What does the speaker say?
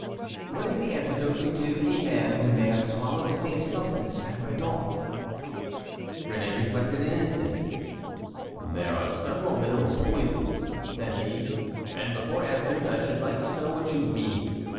"What is the antidote to give a man who may have swallowed the same substance as my dog?" Réné reflected an instant. "There are several mineral poisons," said he; "and before answering I should like to know what you mean.